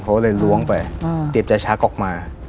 เขาก็เลยล้วงไปเตรียมจะชักออกมา